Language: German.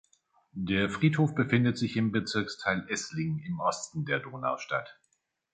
Der Friedhof befindet sich im Bezirksteil Essling im Osten der Donaustadt.